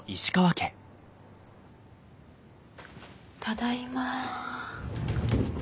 ただいま。